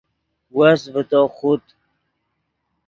وس ڤے تو خوت